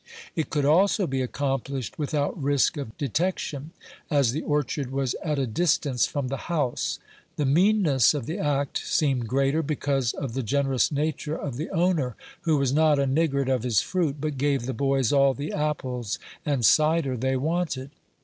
It could also be accomplished without risk of detection, as the orchard was at a distance from the house. The meanness of the act seemed greater, because of the generous nature of the owner, who was not a niggard of his fruit, but gave the boys all the apples and cider they wanted.